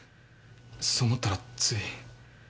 そう思ったらつい。